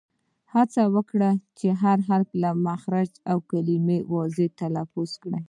هڅه وکړئ، هر حرف له خپل مخرج او کلیمه واضیح تلفظ کړئ!